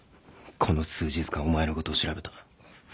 この数日間お前のことを調べた